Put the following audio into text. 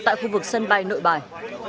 tại khu vực sân bay nội bài